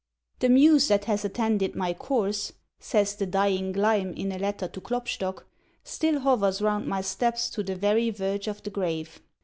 "The muse that has attended my course," says the dying Gleim in a letter to Klopstock, "still hovers round my steps to the very verge of the grave."